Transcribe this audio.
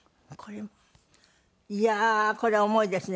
いやーこれ重いですね。